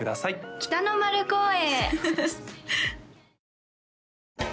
北の丸公園へ！